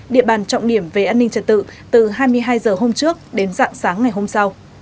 địa bàn trọng điểm về an ninh trật tự từ hai mươi hai h hôm trước đến dạng sáng ngày hôm sau